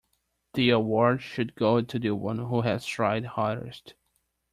The award should go to the one who has tried hardest.